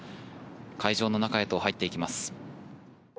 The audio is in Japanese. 会場の中へと入っていきます。